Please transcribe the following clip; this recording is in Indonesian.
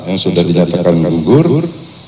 yang sudah dijadikan menggur